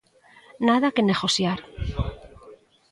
Nada que negociar.